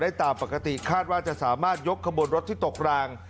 ตามปกติคาดว่าจะสามารถยกขบวนรถที่ตกราง